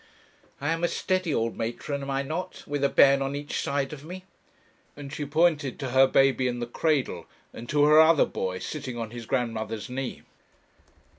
'I am a steady old matron, am I not? with a bairn on each side of me,' and she pointed to her baby in the cradle, and to her other boy sitting on his grandmother's knee.